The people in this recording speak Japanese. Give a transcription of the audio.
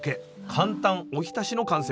「簡単おひたし」の完成です。